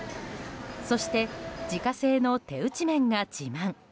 そして自家製の手打ち麺が自慢。